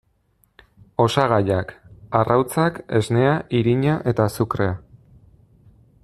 Osagaiak: arrautzak, esnea, irina eta azukrea.